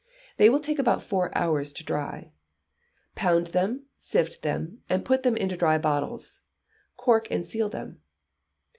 They will take about four hours to dry. Pound them, sift them, and put them into dry bottles; cork and seal them.